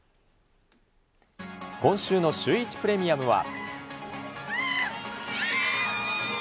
今週のシューイチプレミアムは。